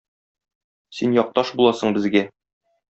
Син якташ буласың безгә.